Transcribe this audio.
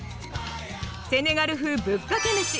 セネガル風ぶっかけメシ。